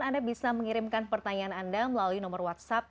anda bisa mengirimkan pertanyaan anda melalui nomor whatsapp